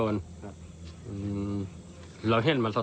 เจอครับ